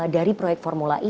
dari proyek formula e